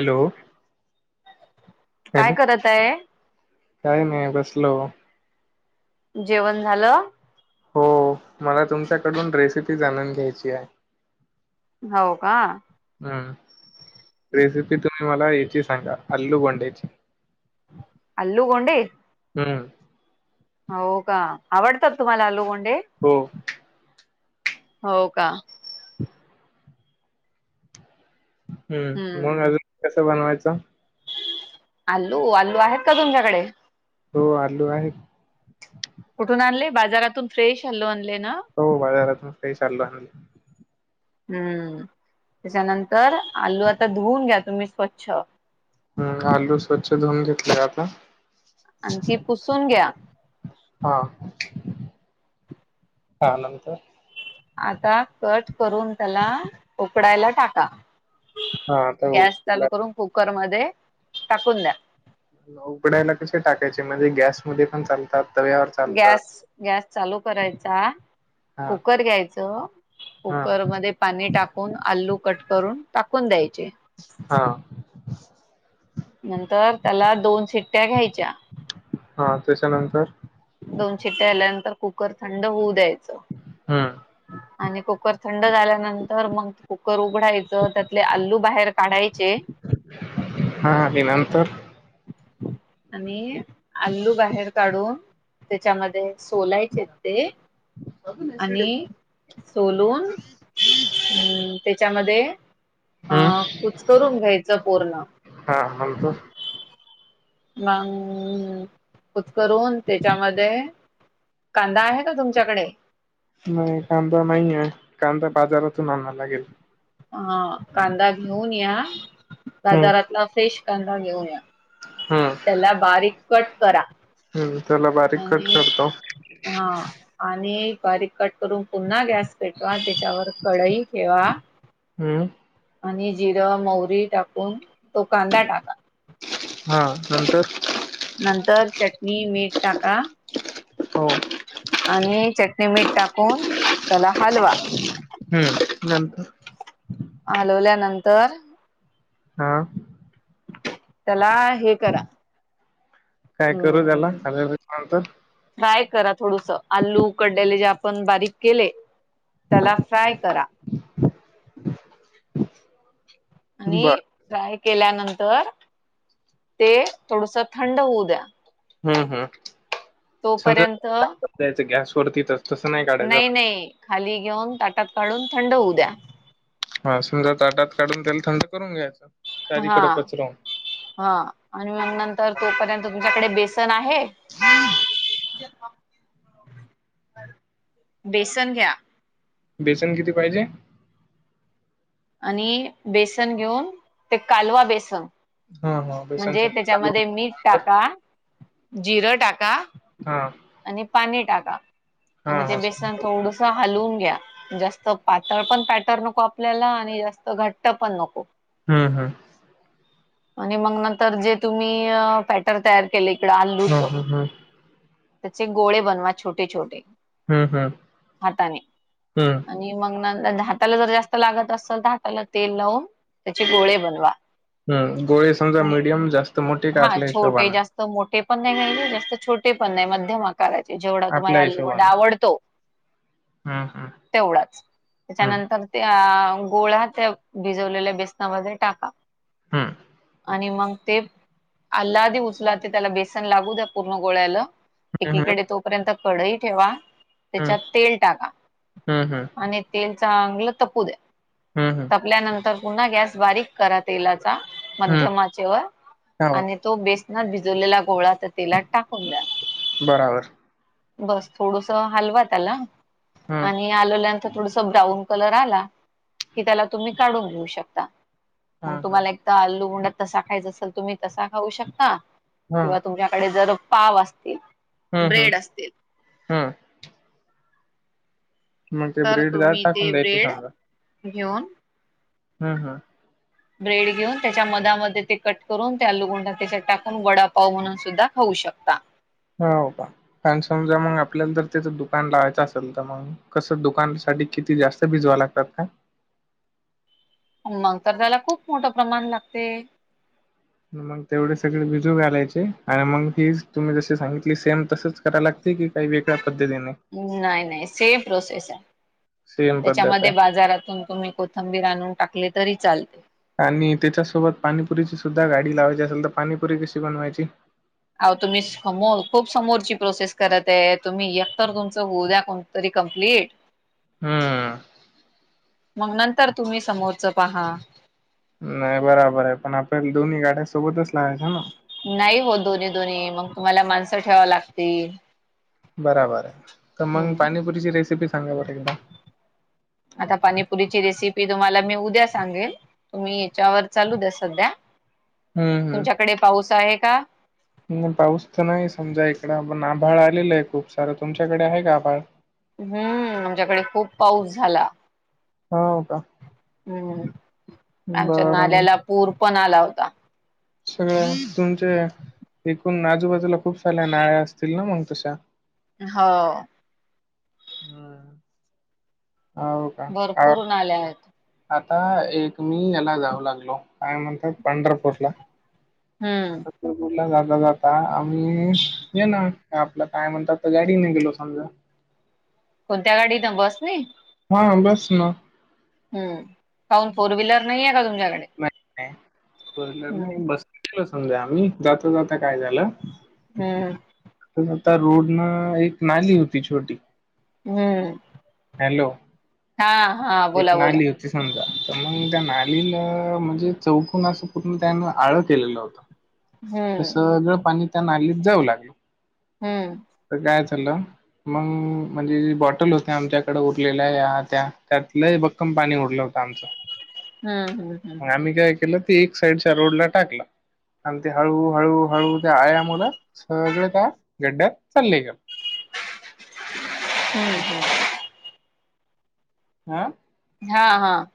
Hello काय hello करत आहे काय नाही बसलं हो. जेवण झालं? हो मला तुमच्याकडून रेसिपी जाणून घ्यायची आहे. हाव का? हम्म. रेसिपी तुम्ही मला याची सांगा अल्लू बोंड्याची. आल्लू गोंडे हम्म. हावो का आवडतात तुम्हाला आलू बोंडे? हो हो का? [inaudible] हम्म मग अजून कसं बनवायचं? आल्लू आल्लू आहेत का तुमच्याकडे? हो आलू आहे. कुठून आणले बाजारातून फ्रेश आलू आणले ना. हो बाहेरता फ्रेश आणला हम्म त्याच्यानंतर आलू आता धुवून घ्या तुम्ही स्वच्छ. हम्म आलू स्वच्छ धुवून घेतलेय आता? आणखी पुसून घ्या. हा. [inaudible] त्या नंतर आता कट करून त्याला उकडायला टाका. हा आता. [unintelligible] कुकरमध्ये टाकून द्या. उघडायला कशे टाकायचे म्हणजे गॅसमध्येध्ये पण चाल हा तवयार गॅस गॅस चालू करायचा हा कुकर घ्यायचं हा कुकरमध्ये पाणी टाकून आलू कट करून टाकून द्यायचे. हा. नंतर त्याला दोन शिट्टया घ्यायच्या हा त्याच्यानंतर दोन शिट्टया आल्यानंतर कुकर थंड होऊ द्यायचं. हम्म. आणि कुकर थंड झाल्यानंतर मग कुकर उघडायचं त्यातले आलू बाहेर काढायचे. हा. ते नंतर आणि आलू बाहेर काढून त्याच्यामध्ये सोलायचे ते आणि सोलून उम्म त्याच्यामध्ये अ हम्म कुचकरून घ्यायचं पुर्ण. हा नंतर मंग उत्करून त्याच्यामध्ये कांदा आहे का तुमच्याकडे? नाही कांदा नाहीे कांदा बाजारातून आणा लागेल. ह कांदा घेऊन या, हम्म बाजारातला फ्रेश कांदा घेऊन या. हम्म त्याला बारीक कट करा हम्म त्याला बारीक कट आणि करतो हा आणि बारीक कट करून पुन्हा गॅस पेटवा त्याच्यावर कढई ठेवा हम्म. आणि जिरं मौरी टाकून तो कांदा टाका. हा. नंतर नंतर चटणी मीठ टाका हो. आणि चटणी मीठ टाकून त्याला हालवा. हम्म नंतर हलवल्या नंतर हा. त्याला हे करा काय करू त्याला हम्म [unintelligible] नंतर फ्राय करा थोडसा आलू उकडलेले जे आपण बारीक केले त्याला फ्राय करा. आणि बर फ्राय केल्यानंतर ते थोडूसा थंड होऊ द्या. हम्म हम्म. समजा तोपर्यंत ताटात द्यायचं गॅस वरतीच नाही नाही खाली घेऊन ताटात काढून थंड होऊ द्या. हा समजा ताटात काढून तेल थंड करून घ्यायचं हा चारीकडे पचरवून. हा आणि मग नंतर तोपर्यंत तुमच्याकडे बेसन आहे? बेसन घ्या बेसन किती पाहिजे? आणि बेसन घेऊन ते कालवा बेसन हम्म हा. बेसन म्हणजे समजा त्याच्यामध्ये कालवून मीठ टाका, जिरं टाका हा आणि पाणी टाका हा आणि ते बेसन हा थोडू हालून घ्या जास्त पातळ पण पॅटर नको आपल्याला आणि जास्त घट्ट पण नको. हम्म, हम्म. आणि मग नंतर जे तुम्ही पॅटर तयार केलंय इकडं आलूच हं, हं, हं. त्याचे गोळे बनवा छोटे-छोटे हं, हं. हाताने हं, आणि आणि मग नंतर हाताला जर जास्त लागत असेल, तर हाताला तेल लावून त्याचे गोळे बनवा. हम्म गोळे समजा मिडियम जास्त मोठे का हा आपल्या छोटे हिशोबानं? जास्त मोठे पण नाही घ्यायचं जास्त छोटे पण नाही मध्यम आ करायचे, जेवढा आपल्या तुम्हाला आलूगोंडा आवडतो हम्म, हम्म. तेवढाच. त्याच्यानंतर त्या गोळा त्या भिजवलेल्या बेसनामध्ये टाका. हम्म. आणि मग ते अल्ला आधी उचला ते त्याला बेसन लागू द्या पूर्ण गोळ्याला हं, हं. एकीकडे तो पर्यंत कडई ठेवा. हं. त्याच्यात तेल टाका हं, हं. आणि तेल चांगलं तपू द्या‌. हम्म, हम्म. पल्यानंतर पुन्हा गॅस बारीक करा तेलाचा हं. मध्य आचेवर हो, आणि तो बेसनात भिजवलेला गोळा तर तेलात टाकून द्या. बराबर. बस थोडूसं हलवा त्याला हं. आणि ते आलुला नंतर थोडस ब्राऊन कलर आला, की त्याला तुम्ही काढून घेऊ शकता. मग हां, हां. तुम्हाला एकतर आलूगोंडा तसा खायचा असेल, तर तुम्ही तसा खाऊ शकता हं. किंवा तुमच्याकडे जर पाव असतील. हम्म हम्म ब्रेड असतील हम्म. मग ते तर ब्रेड जाड तुम्ही ते टाकून द्यायचे ब्रेड घेऊन हम्म, हम्म. ब्रेड घेऊन त्याच्या मधामध्ये ते कट करून त्या आलुगुंडा त्याच्यात टाकून वडापाव म्हणून सुद्धा खाऊ शकता. होव का? आणि समजा मग आपल्याला तर त्याचं दुकान लावायचं असेल, तर मग कसं दुकानसाठी किती जास्त ते भिजवावे लागतात का? मग तर त्याला खूप मोठं प्रमाण लागते. मग तेवढे सगळे भिजू घालायचे आणि मंग ही तुम्ही जशी सांगितली सेम तसच कराय लागते की काही वेगळ्या पद्धतीने नाही नाही सेम प्रोसेस आहे. सेम पद्धत त्याच्यामध्ये आहे बाजारातून तुम्ही कोथंबीर आणून टाकले तरी चालते. आणि त्याच्यासोबत पाणीपुरीची सुद्धा गाडी लावायची असेल, तर पाणीपुरी कशी बनवायची? अहो तुम्ही समोर खूप समोरची प्रोसेस करत आहे. तुम्ही एकतर तुमचं होऊद्या कोणतरी कंप्लीट. हम्म मग नंतर तुम्ही समोरचं पहा. नाही बराबर आहे, पण आपल्याला दोन्ही गाड्या सोबतच लावायच्या ना. नाही ओ दोन्ही दोन्ही, मग तुम्हाला माणसं ठेवाव लागतील. बराबर आहे. तर मग हम्म पाणीपुरीची रेसिपी सांगा बरं एकदा. आता पानीपुरीची रेसिपी तुम्हाला मी उद्या सांगेन. तुम्ही याच्यावर चालू द्या सध्या. हम्म तुमच्याकडे पाऊस आहे का? हम्म. पाऊस तर नाही समजा इकड, पण आभाळ आलेलं आहे खूप सारं. तुमच्याकडे आहे का आभाळ? हम्म आमच्याकडे खूप पाऊस झाला. होव का? हम्म. आमच्या बरं मग नाल्याला पूर पण आला होता. सगळं तुमचे एकूण आजूबाजूला खूप साऱ्या नळ्या असतील ना मग तशा. हो. हम्म हो का? भरपूर [unintelligible] नाल्या आहेत. आता एक मी याला जाऊ लागलो, काय म्हणतात पंढरपूरला. हम्म. [unintelligible] ला जाता जाता आम्ही येणार आपला काय म्हणतात, तर गाडीने गेलो समजा कोणत्या गाडीत बसने? हां बस ना. हम्म. काऊन फोर व्हीलर नाहीये का तुमच्याकडे? नाही नाही फोर व्हीलर हम्म नाही बसलेलो समजा आम्ही जाता जाता काय झालं? हम्म. तर आता रोडनं एक नाली होती छोटी. हम्म. हॅलो हा, हा बोला बोला. जर समजा तर मग त्या नालीन म्हणजे चौकोनात असं पूर्ण त्यानं आळ केलेलं होत, तर हम्म सगळ पाणी त्या नालीत जाऊ लागेल. हम्म. तर काय चाललं? मग म्हणजे जी बॉटल होत्या आमच्याकडं उरलेल्या या त्या. त्यातले बघ कम पाणी ऊरलं होतं आमचं. हम्म. मग आम्ही काय केलं ते एक साइडच्या रोडला टाकला. आणि ते हळू हळू हळू ते आयामुळं सगळे त्या गड्ड्यात चालले ग. हम्म हम्म. हा? हा, हा.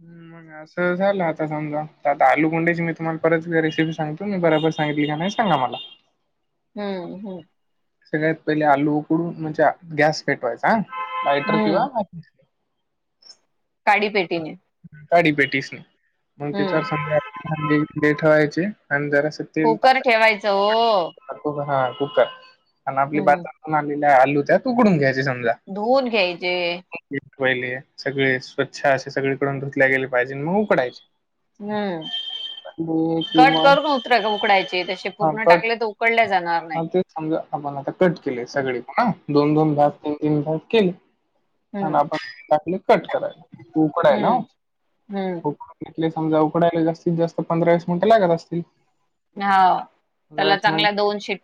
मग असं झालं आता समजा आता आलूगुंड्याची मी तुम्हाला परत रेसिपी सांगतो. मी बराबर सांगितली का नाही सांगा मला. हम्म, हम्म. सगळ्यात पहिले आलू उकडून म्हणजे गॅस पेटवायचा हा. लायटर किंवा हम्म काडीपेटीने. काडीपेटीस मग त्याच्यावर हम्म समजा [unintelligible] ठेवायचे आणि जरास कुकर ठेवायचं ओ. कुकर हा कुकर आणि आपली हम्म बाजारातून आणलेल्या आलू त्यात उकडून घ्यायचे समजा. धुऊन घ्यायचे. [unintelligible] सगळे स्वच्छ असे सगळीकडून धुतल्या गेले पाहिजे मग उकडायचे. हम्म, कि कट मग करून उतर का उकडायचे तसे हा पूर्ण कट टाकले तर उ कडले जाणार हा नाही ते समजा आपण आता कट केले सगळे पुन्हा दोन दोन भाग, तीन तीन भाग केले. आणि हम्म आपण टाकले कट करायला उकडायला हा. हम्म हम्म त्यातले समजा उकडायला जास्तीत जास्त पंधरा वीस मिनटे लागत असतील. हा पंधरा त्याला वीस मिनिट चांगल्या दोन शिट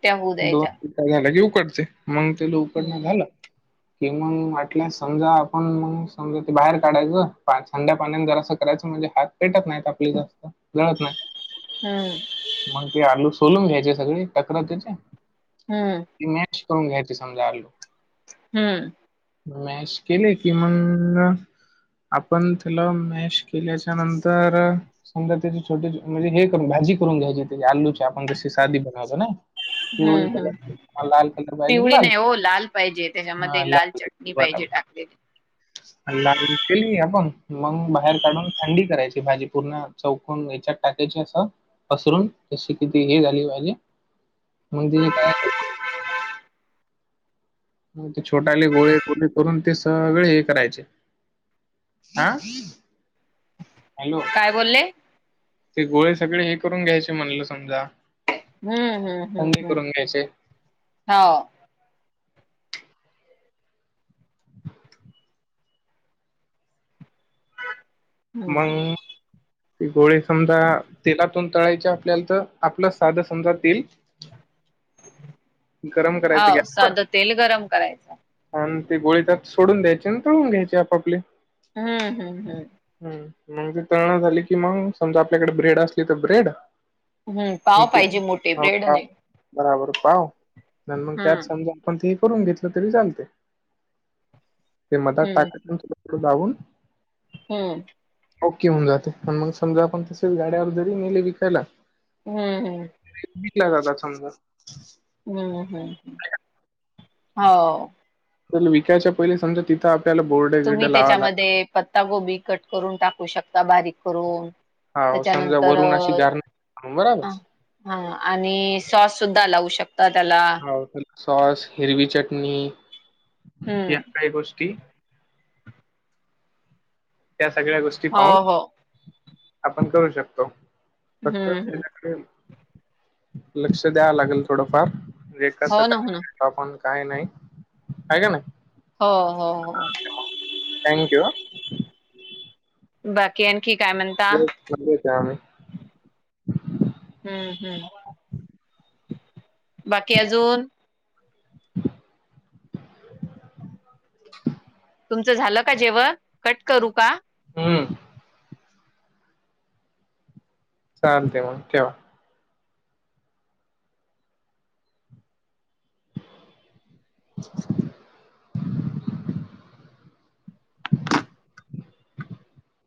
दोन शिट्या झाल्या की उकडतंय, मग त्याला उकडण हम्म झालं. कि मग म्हटल्या समजा आपण मग समजा ते बाहेर काढायचं. पा स थंड्या पाण्याने जरासं करायचं म्हणजे हात पेटत नाहीत आपली जास्त जळत नाहीत. हम्म. मग ते आलू सोलून घ्यायचे सगळे [unintelligible] त्याच्या हम्म. ती मॅच करून घ्यायच सांगाय आलो. हम्म. मॅश केले की मंग आपण त्याला मॅश केल्याच्या नंतर समजा त्याची छोटी म्हणजे हे करुन भाजी करून घ्यायची तेजी आलूची. आपण जशी साधी बनवतो नाई. हम्म हम्म पाहिजे पिवळी लाल नाही हो लाल पाहिजे हा त्याच्यामध्ये लाल चट मी बरोबर पाहिजे टाकलेली [unintelligible] केली आपण मग बाहेर काढून थंडी करायची भाजी पूर्ण चौकोण याच्यात टाकायची असं. पसरून जशी की ती हे झाली पाहिजे मग तिने काय [unintelligible] [inaudible] ते छोटाले गोळे गोळे करून ते सगळे हे करायचे. हां हॅलो काय बोलले ते गोळे सगळे हे करून घ्यायचे म्हणलं समजा. हम्म हम्म हम्म थंडी हम्म करून घ्यायचे हा. हम्म मंग ते गोळे समजा तेलातून तळायचे आपल्याला तर आपलं सादं समजातील गरम करायचं हो गॅसवर. साधं तेल गरम करायचं आणि ती गोळी त्यात सोडून द्यायचे आणि तोळून घ्यायची आपापले. हम्म हम्म हम्म. ह मग ते तळना झाली कि मग समजा आपल्याकडे ब्रेड असली तर ब्रेड हम्म पाव तू पाहिजे मोठे हो ब्रेड पाव नाही. बराबर पाव आणि मग त्यात हम्म समजा पण ते करून घेतलं तरी चालते ते मदा हम्म टाकून [unintelligible] लावून हम्म. ओके होऊन जाते पण मग समजा आपण तसेच गाड्यावर जरी नेले विकायला हम्म हम्म. विकला जातात समजा हम्म हम्म हो. तुला विकायच्या पहिली समजा तिथं आपल्याला बोर्डे तुम्ही गिर्डे लावा लाग त्याच्यामध्ये पत्ता गोबी कट करून टाकू शकता बारीक करून. हाव समजा त्याच्यानंतर अ वरून अशी गारणी बराबर. हा आणि सॉस सुद्धा लावू शकता त्याला. हो त्याला सॉस, हिरवी चटणी या हम्म काय गोष्टी त्या सगळ्या गोष्टी हो पाहून हो आपण करू शकतो. फक्त हम्म हम्म त्याच्याकडे लक्ष द्यावं लागेल थोडंफार. हो ना हो ना [unintelligible] आपण काही नाही आहे का नाही. हो हो हो. थँक यू हा. बाकी आणखी काय म्हणता? [unintelligible] आम्ही. हम्म हम्म. बाकी अजून तुमचं झालं का जेवण कट करू का? हम्म. चालते मग ठेव. [inaudible] [inaudible]